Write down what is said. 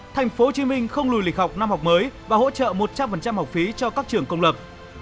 thành phố hồ chí minh không lùi lịch học năm học mới và hỗ trợ một trăm linh học phí cho các trưởng công lập